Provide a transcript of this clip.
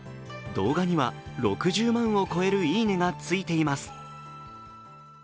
動画には６０万を超える「いいね」がついています。